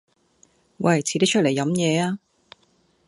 喂，遲啲出嚟飲嘢啊